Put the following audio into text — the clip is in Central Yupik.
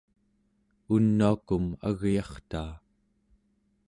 unuakum agyartaa